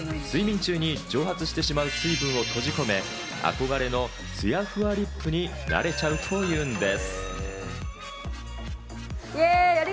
睡眠中に蒸発してしまう水分を閉じ込め、憧れのつやふわリップになれちゃうと言うんです。